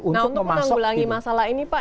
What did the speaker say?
nah untuk menanggulangi masalah ini pak